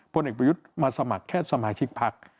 ผลเอกประยุทธ์มาสมัครแค่สมาชิกพัก